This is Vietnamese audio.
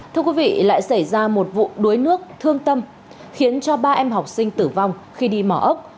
thưa quý vị lại xảy ra một vụ đuối nước thương tâm khiến cho ba em học sinh tử vong khi đi mỏ ốc